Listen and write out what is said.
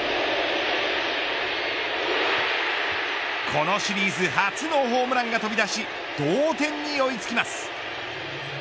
このシリーズ初のホームランが飛び出し同点に追い付きます。